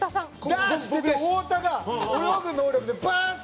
太田が泳ぐ能力でバン！